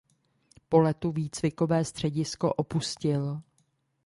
Po letu výcvikové středisko opustil.